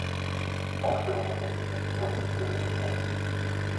Aufstellungen und Ergebnisse konnten nicht ermittelt werden.